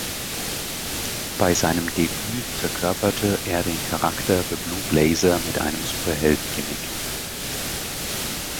Bei seinem Debüt verkörperte er den Charakter "The Blue Blazer" mit einem Superhelden-Gimmick.